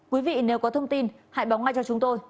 quý vị nếu có thông tin hãy báo ngay cho chúng tôi